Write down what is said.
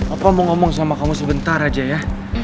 apa mau ngomong sama kamu sebentar aja ya